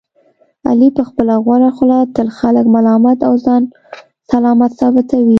علي په خپله غوړه خوله تل خلک ملامت او ځان سلامت ثابتوي.